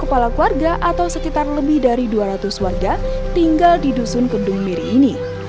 kepala keluarga atau sekitar lebih dari dua ratus warga tinggal di dusun kendung miri ini